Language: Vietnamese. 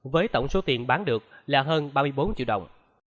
với tổng số tiền bán được là hơn